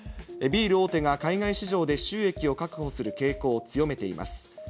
ビール大手が海外市場で収益を確保する傾向を強めています。